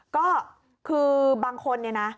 ก็คือบางคนเนี่ยนะ